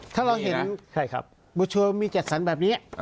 ถ้าเราเห็นบัวชัวมีจัดสรรแบบนี้